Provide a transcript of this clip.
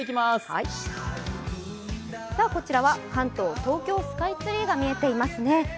こちらは関東、東京スカイツリーが見えていますね。